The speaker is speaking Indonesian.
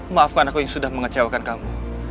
maafkan aku yang sudah mengecewakan kamu